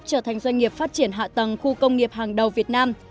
trở thành doanh nghiệp phát triển hạ tầng khu công nghiệp hàng đầu việt nam